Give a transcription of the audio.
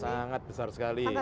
sangat besar sekali